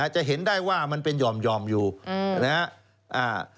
จะเห็นได้ว่ามันเป็นห่อมอยู่นะครับ